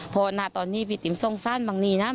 พอหน้าตอนนี้ป้าติ๋มทรงสั้นบางนี้นะ